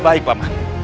tujuan baik paman